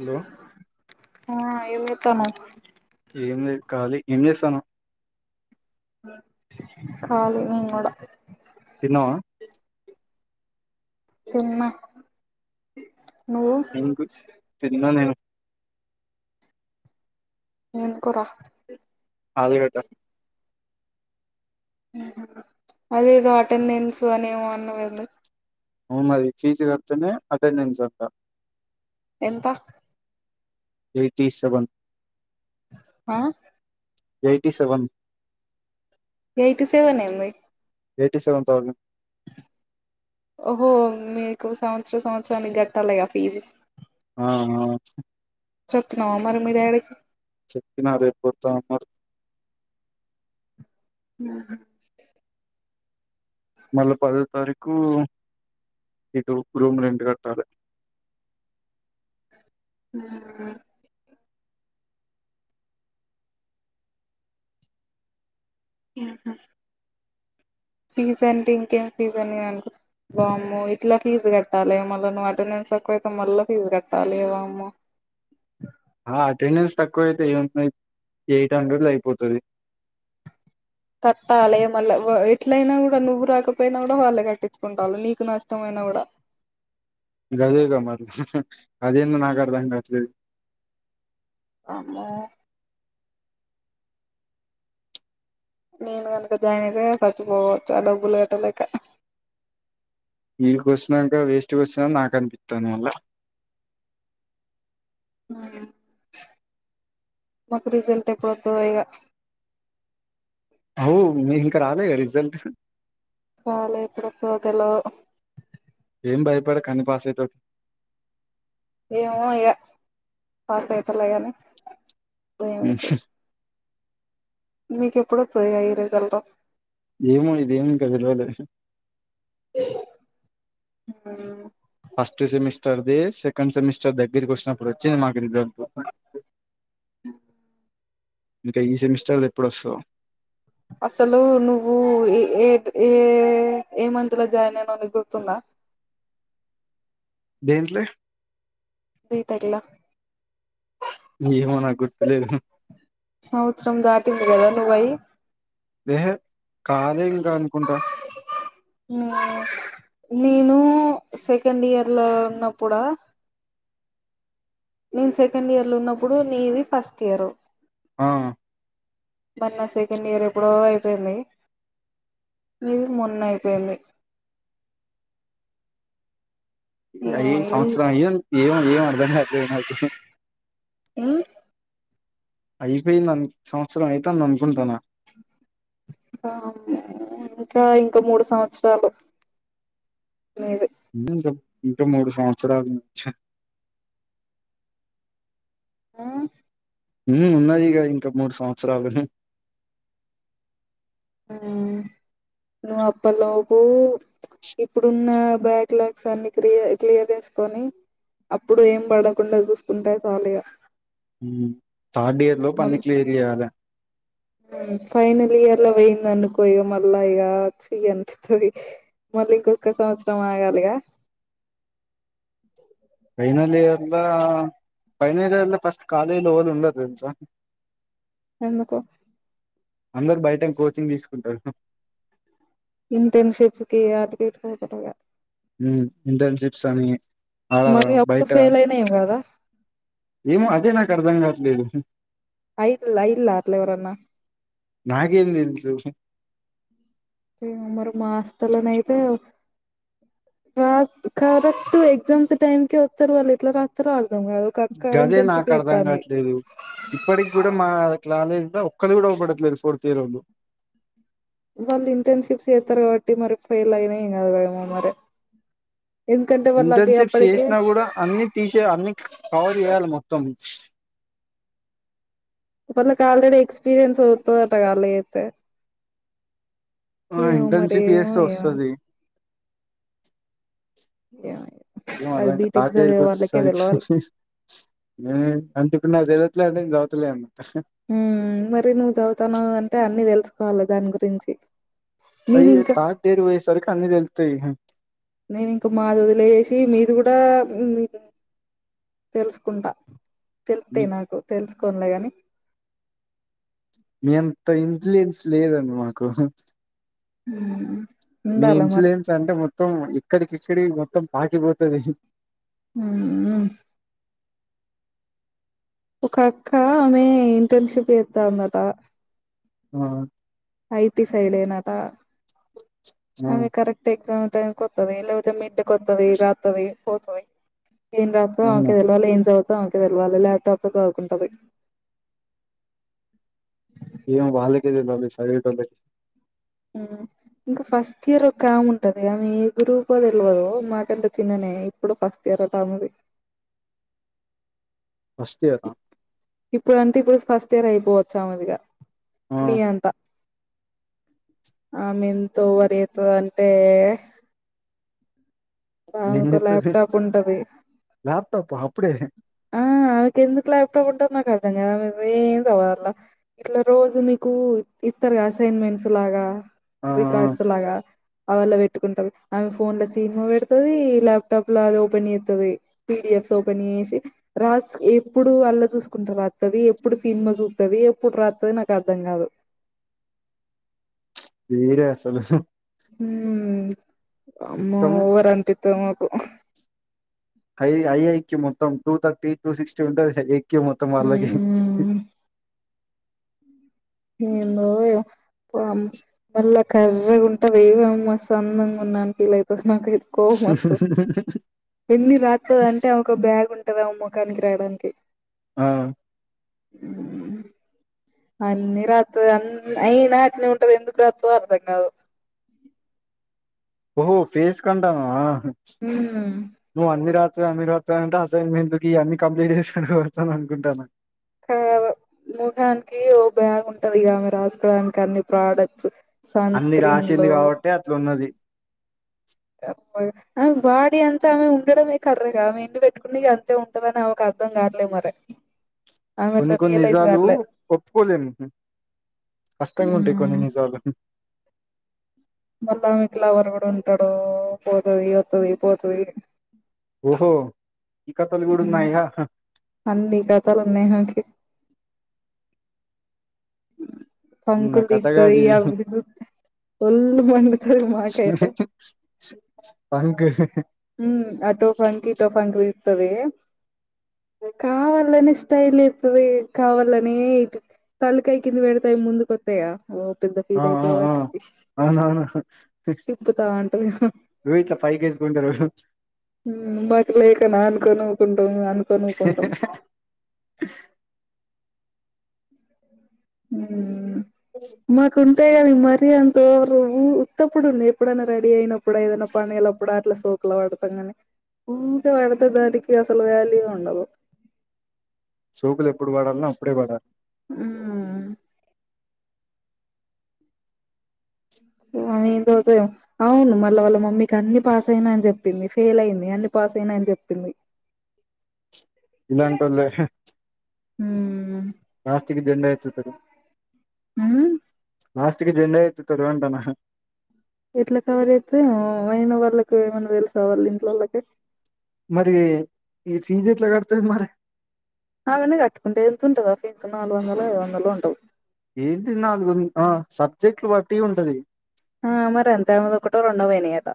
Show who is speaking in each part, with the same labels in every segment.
Speaker 1: Hello
Speaker 2: ఆ ఏం జేతనావ్
Speaker 1: ఏం లే ఖాలీ ఏం చేస్తానవ్
Speaker 2: కాలి నేన్ కూడా
Speaker 1: తిన్నవా
Speaker 2: తిన్న
Speaker 1: ఏం కు తిన్న నేను
Speaker 2: ఏ కూరా
Speaker 1: ఆలుగడ్డ
Speaker 2: అదే ఏదో అటెండెన్స్ అనిమో అన్నవ్ కదా నువ్వు
Speaker 1: మరి ఫీజు కడుతేనే అటెండెన్స్ ఎత
Speaker 2: ఎంత
Speaker 1: ఎయిటీ సెవెన్
Speaker 2: ఆ
Speaker 1: ఎయిటీ సెవెన్
Speaker 2: ఏయిటీ సెవెన్ ఏంది
Speaker 1: ఎయిటీ సెవన్ థౌజండ్
Speaker 2: ఓహో మీకు సంవత్సర సంవత్సరానికి కట్టాలిగా ఫీజు
Speaker 1: ఆ ఆ
Speaker 2: సొ తినవ మరి మీ డాడికి
Speaker 1: చెప్పిన రేపు పోత అన్నారు
Speaker 2: ఉహు
Speaker 1: మళ్ళ పదో తారీకు ఇటు రూమ్ రెంట్ కట్టాలి
Speaker 2: ఊ ఫీజ్ అంటే ఇంకేం ఫీజ్ అని నేన్ అనుకో వామ్మో ఇట్లా ఫీజు కట్టాలి మళ్ళ నువ్ అటెండెన్స్ ఎక్కువ అయితే మళ్ళ ఫీజు కట్టాలి వామ్మో
Speaker 1: ఆ అటెండెన్స్ తక్కువ అయితే ఏంటిమి ఎయిట్ హండ్రెడ్ లో అయిపోతుంది
Speaker 2: కట్టాలే మళ్ళ ఎట్లయినా కూడా నువ్వు రాకపోయినా కూడా వాళ్ళే కట్టించుకుంటారు నీకు నష్టం అయినా కూడా
Speaker 1: గదెగా మరి అదేమో నాగర్దం గాట్లేదు
Speaker 2: కమ్ము నేను కనుక జాయిన్ అయితే చచ్చిపోవచ్చు ఆ డబ్బులు కట్టలేక
Speaker 1: ఈకి వచ్చినాక వేస్ట్ గా వచ్చినని నాకు అనిపిస్తంది మళ్ల
Speaker 2: మకు రీజల్ట్ ఎప్పుడతదో ఇగ
Speaker 1: అవ్ మీకు ఇంకా రాలేగ రిజల్ట్
Speaker 2: రాలె ఎప్పుడు వస్తదో తెలో
Speaker 1: ఏం భయపడకు అన్ని పాసయితవ్
Speaker 2: ఏమో ఇగ పాస్ ఐతలే కానీ
Speaker 1: ఉహు
Speaker 2: మీక ఎప్పుడు వత్తది ఈ ఆ రిజల్ట్
Speaker 1: ఏమో ఇదేమీ ఇంకా తెల్వలే ఫస్ట్ సెమిస్టర్ది సెకండ్ సెమిస్టర్ దగ్గరకి వచ్చినప్పుడు వచ్చింది మాకు రిజల్ట్ ఇంకా ఈ సెమిస్టర్ ఎప్పుడు వస్తదో
Speaker 2: అసలు నువ్వు ఏ ఏ ఏ మంత్లో జాయిన్ అయినవు అని గుర్తుందా
Speaker 1: దేంట్లే
Speaker 2: ఇంటర్ల
Speaker 1: ఏమో నాకు గుర్తులేదు
Speaker 2: సంవత్సరందాటింది కదా నువ్వు అయ్యి
Speaker 1: దేహే కాలేదు ఇంకా అనుకుంటా
Speaker 2: నేను సెకండ్ ఇయర్లో ఉన్నప్పుడా నేను సెకండ్ ఇయర్లో ఉన్నప్పుడు నీది ఫస్ట్ ఇయర్
Speaker 1: ఆ
Speaker 2: బట్ నాది సెకండ్ ఇయర్ ఎప్పుడో అయిపోయింది మీది మొన్న అయిపోయింది ఏమో
Speaker 1: అయి
Speaker 2: ఎల్
Speaker 1: సంవత్సరం ఏ ఏం ఏం అర్దం కాట్లేదు నాకు
Speaker 2: ఉ
Speaker 1: అయిపోయింది సంవత్సరం అయితాంది అనుకుంటానా
Speaker 2: ఇంకా ఇంకా మూడు సంవత్సరాలు మీది
Speaker 1: ఇంకా ఇంకా మూడు సంవత్సరాలు చ
Speaker 2: హూ
Speaker 1: హూ ఉన్నది ఇగ ఇంకా మూడు సంవత్సరాలు
Speaker 2: ఉమ్
Speaker 1: [unintelligible]
Speaker 2: నువ్వు అప్పలోపు ఇప్పుడున్న బ్యాక్ లాగ్స్ అన్ని కియ క్లియర్ చేసుకొని అప్పుడు ఏం పడకుండా చూసుకుంటాయి చాలు ఇగా
Speaker 1: థార్డ్ ఇయర్ లోపు అన్ని
Speaker 2: మళ్ళీ
Speaker 1: క్లియర్ చేయాలే
Speaker 2: ఫైనల్ ఇయర్లో పోయిందనుకో ఇగ మళ్ళా ఇగ వచ్చి ఇక గెంటుతది మళ్ళ ఇంకొక సంవత్సరం ఆగాలిగా
Speaker 1: ఫైనల్ ఇయర్లా ఫైనల్ ఇయర్ల ఫస్ట్ కాలేజీలో ఎవరు ఉండరు తెలుసా [unintelligible]
Speaker 2: ఎందుకు
Speaker 1: అందరు బయట కోచింగ్ తీసుకుంటారు
Speaker 2: ఇంటర్న్షిప్స్ కి అటు ఇటు పోతారు ఇగ
Speaker 1: ఇంటన్చిప్స్ అని అలా
Speaker 2: మరి అప్పుడు
Speaker 1: బయట
Speaker 2: ఫెయిల్ అయినా ఏం కదా
Speaker 1: ఏమో అదే నాకు అర్ధం కావట్లేదు
Speaker 2: హైట్ లైలా ఎవరన్నా
Speaker 1: నాకేం దెలుసు
Speaker 2: హ్మ్ మరి మా హాస్టలోయితే రా కరెక్ట్ ఎగ్జామ్స్ టైమ్కి వస్తారు వాళ్ళు ఎట్లా రాస్తారో అర్థం కాదు ఒక అక్క
Speaker 1: గదే
Speaker 2: ఇంటర్న్షిప్
Speaker 1: నాకు అర్ధం
Speaker 2: చేత్తాంది
Speaker 1: కాట్లేదు ఇప్పటికి కూడా మా కాలేజ్ లో ఒక్కలు కూడా అగుడట్లేదు ఫోర్త్ ఇయర్లోలు
Speaker 2: వాళ్ళు ఇంటర్న్షిప్స్ చేస్తారు. కాబట్టి మరి ఫెయిల్ అయినా ఏం కదమో మరి ఎందుకంటే వాళ్లకి
Speaker 1: ఇంటర్న్షిప్స్
Speaker 2: అప్పటికే
Speaker 1: చేసినా కూడా అన్ని తీసి అన్ని కవర్ చేయాలి మొత్తం
Speaker 2: వాళ్లకు ఆల్రెడీ ఎక్స్పీరియన్స్ వస్తదంట కదా అల్లా చేస్తే ఏమో మరి
Speaker 1: ఇంటర్న్షిప్
Speaker 2: ఏమో
Speaker 1: చేస్తే
Speaker 2: ఏమో
Speaker 1: వస్తది
Speaker 2: యా
Speaker 1: ఏం అర్థంకాలే నాకే లే వచ్చేసరికి నాకు ఇప్పుడు తెలియట్లే నేను చదువుతలేను
Speaker 2: మరి నువ్వు చదువుతాన్నవు అంటే అన్ని తెలుసుకోవాలె దాని గురించి నేను
Speaker 1: అయ్యయ్యో
Speaker 2: ఇంకా
Speaker 1: థర్డ్ ఇయర్ పోయేసరికి అన్ని తెలుస్తాయి
Speaker 2: నేను ఇంక మా వదిలేేసి మీది కూడా తెలుసుకుంటా తెలుస్తాయి నాకు తెలుసుకోన్లేగాని
Speaker 1: మీ అంత ఇన్ఫ్లుయన్స్ లేదండి మాకు
Speaker 2: హ్
Speaker 1: మీ ఇన్ఫ్లుయెన్స్ అంటే మొత్తం ఇక్కడికిక్కడి మొత్తం పాకిపోతుంది.
Speaker 2: ఉ ఒక అక్క ఆమె ఇంటర్న్షిప్ చేస్తాన్నట
Speaker 1: ఆ
Speaker 2: ఐటి సైడ్ ఏనటా
Speaker 1: ఆ
Speaker 2: ఆది కరేక్ట్ ఎగ్జామ్ టైమ్ కొత్తది లేకపోతే మిడ్ కొత్తది రాతది పోతది ఏం రత్తమో
Speaker 1: అవును
Speaker 2: ఆమెకే తెలువాలి ఏం చదువుతమో ఆమెకు తెలువాలి ల్యాప్టాప్ లో చదువుకుంటాంది.
Speaker 1: ఏమో వ వాళ్ళకే తేలువలే చదివేతొళ్లకు
Speaker 2: ఉ ఇంకా ఫస్ట్ ఇయర్ ఒక ఆమె ఉంటది. ఆమె ఏ గ్రూప్ తెలువదు మాకంటే చిన్న నే ఇప్పుడు ఫస్ట్ ఇయర్ ఒక అమెది
Speaker 1: ఫస్ట్ ఇయర్
Speaker 2: ఇప్పుడు అంటే ఇప్పుడు ఫస్ట్ ఇయర్ అయిపోవచ్చాఉ దిగా
Speaker 1: ఆ
Speaker 2: నియంతా ఆమె ఏంతో ఓవర్ చెత్తది అంటే ఆమెకు ఒక ల్యాప్టాప్ ఉంటది
Speaker 1: ల్యాప్టాప అప్పుడే
Speaker 2: ఆ అమెకు ఎందుకు లాప్టాప్ ఉంటది ఆమె ఏం సాధువధు అల్ల ఇట్లా రోజు నీకు ఇత్తరూ గాధ అసైన్మెంట్స్ లాగా
Speaker 1: ఆ ఆ
Speaker 2: రికార్డ్స్ లాగా అవళ పెట్టుకుంటది. ఆమె ఫోన్ ల సినిమ పెడతుది ల్యాప్టాప్ లో అది ఓపెన్ చేత్తది పీడిఎఫ్స ఓపెన్ చేసి రాస్ ఎప్పుడు అల్ల ఎప్పుడు చూసుకుంట రాత్తది ఎప్పుడు సినిమా చూత్తది. ఎప్పుడు రాస్తది నాకు అర్థం కాదు
Speaker 1: వేరే అసలు
Speaker 2: హ్ అమే
Speaker 1: మొత్తం
Speaker 2: ఓవర్ అనిపిత్తది మాకు
Speaker 1: ఐ ఐఐక్యూ మొత్తం టూ థర్టీ టూ సిక్స్టీ ఉంటది ఐఐక్యూ మొత్తం వాళ్ళకి
Speaker 2: హ్మ్ ఏందో ఏమో మ్ మళ్ళా కర్రగా ఉంటది ఏ అమ్మా మాస్త్ అందంగా ఉన్నాని ఫీల్ అవుతది నాకు ఇ కోమతు ఎన్ని రాత్తది అంటే ఆమెకు ఒక బ్యాగ్ ఉంటది ఆ మొఖానికి రాయడానికి
Speaker 1: ఆ
Speaker 2: హ్ అన్ని రత్తది అన్ని అయినా అట్న ఉంటది ఎందుకు రాత్తది అర్ధం కాదు
Speaker 1: ఓహో ఫేస్ కు అంటన్నవా
Speaker 2: హ్మ్
Speaker 1: నువ్వు అన్ని రాత్ర అన్ని రాత్రంట అసైన్మెంట్ కి అన్ని కంప్లీట్ చేసుకుని పోతాను అనుకుంటాను
Speaker 2: కాదు ముఖానికి ఓ బ్యాగ్ ఉంటది ఇగ ఆమె రాసుకోవడానికి అన్ని ప్రోడక్ట్స్ సన్ స్క్రీన్లో
Speaker 1: ఏ అట్ల ఉన్నది
Speaker 2: తేక పోయిన ఆమె బాడీ అంతా ఆమె ఉండడమే కర్రెగా ఆమె ఎన్ని పెట్టుకున్న ఇగ అంతే ఉంటదని ఆమెకు అర్థం గాట్లే మరి ఆమె
Speaker 1: కొన్ని
Speaker 2: అట్లా
Speaker 1: కొన్ని
Speaker 2: రియలైజ్
Speaker 1: నిజాలు
Speaker 2: కావట్లే
Speaker 1: ఒప్పుకోలేము కష్టంగా ఉంటాయి కొన్ని నిజాలు
Speaker 2: మళ్ళా మీకు లవర్ కూడా ఉంటాడు పోతది వత్తది పోతది
Speaker 1: ఓహో ఈ కతలు కూడ ఉన్నాయా
Speaker 2: అన్ని కథలున్నాయ్ నాకి
Speaker 1: చిన్న
Speaker 2: ఫంకులు
Speaker 1: కథ కాదు
Speaker 2: తిత్తాది
Speaker 1: ఇది
Speaker 2: అవి జూత్తే వొళ్ళు మండుతాది మాకైతే
Speaker 1: ఫంకు
Speaker 2: హ్మ్ అటో ఫంకు ఇటో ఫంకు తిత్తాది కావాలనేస్ తయి లేపవే కావాలనే ఇటు తలకాయ్ కింద పెడితే ముందుకొత్తయా ఓ పెద్ద
Speaker 1: ఆ
Speaker 2: ఫీల్
Speaker 1: ఆ
Speaker 2: అయిపోయ
Speaker 1: ఆ
Speaker 2: వాటికి
Speaker 1: అవునవును
Speaker 2: తప్పుతాంటది
Speaker 1: నువ్వు ఇట్ల పైకి ఎసుకుంటర
Speaker 2: మ్ బక్ లేకనా అనుకోని ఊకుంటాం అనుకోనిఊకుంటాం మ్ మాకున్ తే కానీ మరీ అంత వోవరు ఉత్తప్పుడు ఎప్పుడైనా రెడీ అయినప్పుడు ఏదనా పనిఎలప్పుడు అట్లా సో కల వడతం గని ఊర్కే వెడితే దాటికి అసలు వ్యాల్యు ఉండదు
Speaker 1: సోకులు ఎప్పుడు పడాల్నో అప్పుడే పడా
Speaker 2: హ్మ్ అమీదుకులో అవును మళ్ళీ వాళ్ళ మమ్మీకి అన్ని పాస్ అయిన అని చెప్పింది ఫెయిల్ అయింది అన్ని పాస్ అయిన అని చెప్పింది
Speaker 1: [inaudible] ఇలాంటోళ్ళ హే
Speaker 2: హ్మ్
Speaker 1: లాస్ట్కి జెండా ఎత్తుతారు
Speaker 2: హ్మ్
Speaker 1: లాస్ట్కి జెండ ఎత్తుతరు అంటానా
Speaker 2: ఎట్లా కవర్ చేత్తది అయిన వాళ్ళకి ఏమనా తెలిసా వాళ్ళు ఇంట్లోళ్ళకి
Speaker 1: మరి ఈ ఫీజ్ ఎట్లా కడుతది మరి
Speaker 2: అవిన్నీ కట్టుకుంటే ఎంత ఉంటది ఆ ఫీజు నాలుగొందలో ఐదువందలో ఉంటది
Speaker 1: ఏంటి నాలుగు ఉంట సబ్జెక్టులు బట్టి ఉంటది
Speaker 2: ఆ మరి ఎంతా ఒకటో రెండో పోనీయట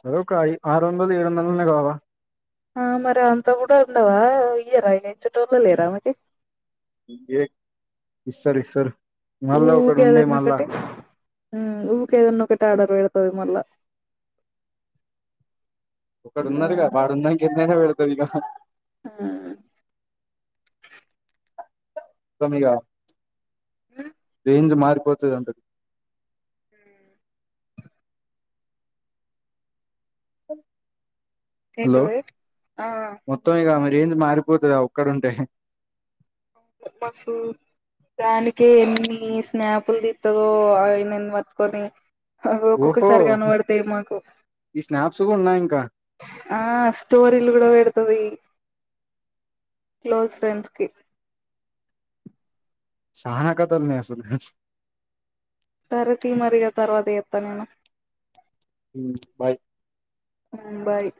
Speaker 1: చద ఒక అయ్ ఆరు వందలు ఏడు వందలన్న కావా
Speaker 2: ఆ మరి అంత కూడా ఉండవా ఇయరా ఇచ్చేటోళ్ళే లేరా ఆమెకి
Speaker 1: ఏ ఇస్సర్ ఇస్సర్
Speaker 2: ఊకేదనా ఒకటి ఆ ఊకేదనా ఒకటి ఆడరు పెడుతది మళ్ళా
Speaker 1: ఒక్కడున్నాడుగ వాడు ఉన్నా ఇంకెన్నైనా పెడతది ఇగ
Speaker 2: హ్మ్
Speaker 1: తమిగ
Speaker 2: నా
Speaker 1: రేంజ్ మారిపోతది అంట అ
Speaker 2: ఏంతవి ఆ
Speaker 1: మొత్తం ఇక మారేంది మారిపోతుందా ఒక్కడంటే
Speaker 2: ఒప్పశు దానికి ఎన్ని స్నాపులు తీస్తదో అవి నేను మట్టుకొని
Speaker 1: ఓహో
Speaker 2: ఒక్కొక్కసారి కనపడతాయి మాకు
Speaker 1: ఈ స్నాప్స్ కూడా ఉన్నాయి ఇంకా
Speaker 2: [inaudible] ఆ స్టోరీలు కూడా పెడతుది [inaudible] క్లోజ్ ఫ్రెండ్స్ కి
Speaker 1: చానా కథలు నేర్సి [unintelligible]
Speaker 2: తరతి మరిగా తర్వాత చేత్తా నేను
Speaker 1: ఉ బాయ్
Speaker 2: బాయ్